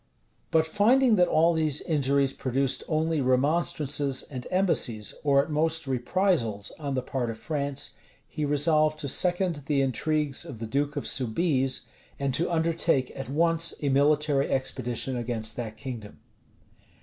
But finding that all these injuries produced only remonstrances and embassies, or at most reprisals, on the part of France, he resolved to second the intrigues of the duke of Soubize, and to undertake at once a military expedition against that kingdom.